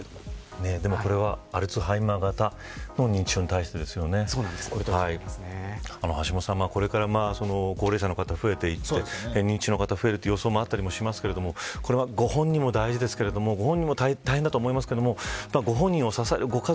でも、これはアルツハイマー型の認知症に対してですよね。橋下さん、これから高齢者の方、増えていって認知症の方が増えるという要素もあったりますがこれはご本人も大事ですがご本人を支えるご家族